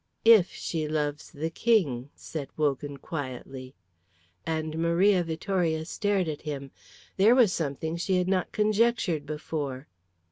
"If she loves the King!" said Wogan, quietly, and Maria Vittoria stared at him. There was something she had not conjectured before.